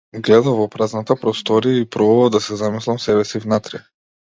Гледав во празната просторија и пробував да се замислам себеси внатре.